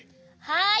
はい。